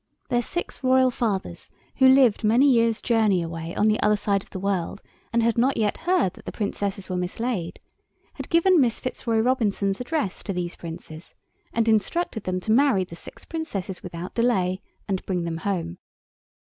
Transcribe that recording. Their six Royal fathers, who lived many years' journey away on the other side of the world, and had not yet heard that the Princesses were mislaid, had given Miss Fitzroy Robinson's address to these Princes, and instructed them to marry the six Princesses without delay, and bring them home.